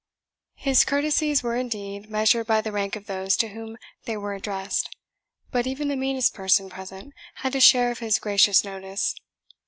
His courtesies were, indeed, measured by the rank of those to whom they were addressed, but even the meanest person present had a share of his gracious notice.